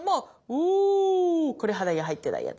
ホーこれ鼻に入ってないやつ。